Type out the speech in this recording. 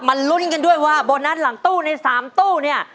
ลุ้นกันด้วยว่าโบนัสหลังตู้ใน๓ตู้เนี่ย